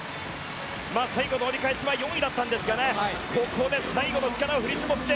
最後の折り返しは４位だったんですがここで最後の力を振り絞って。